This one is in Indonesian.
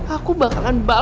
aku bakalan balik